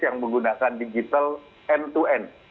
yang menggunakan digital end to end